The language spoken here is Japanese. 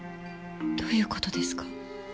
どういうことですか？